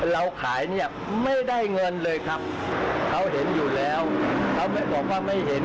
เราขายเนี่ยไม่ได้เงินเลยครับเขาเห็นอยู่แล้วเขาไม่บอกว่าไม่เห็น